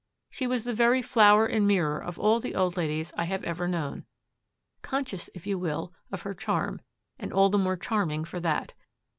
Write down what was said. She was the very flower and mirror of all the old ladies I have ever known; conscious, if you will, of her charm, and all the more charming for that.